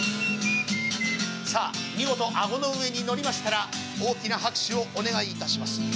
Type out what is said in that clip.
さあ見事顎の上に載りましたら大きな拍手をお願いいたします。